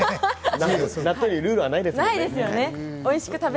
納豆にルールはないですもんね。